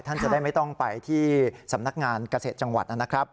ท่านจะได้ไม่ต้องไปที่สำนักงานเกษตรจังหวัดนะครับ